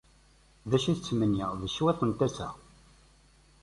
D acu yettmenni d cwiṭ n tasa.